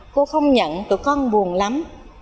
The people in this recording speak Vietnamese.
cô không nhận tụi con buồn lắm